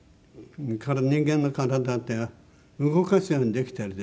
人間の体って動かすようにできてるでしょ？